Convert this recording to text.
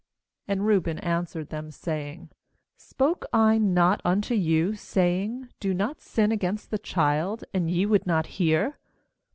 ^And Reuben answered them, saying: 'Spoke I not unto you, saying: Do not sin against the child; and ye would not hear?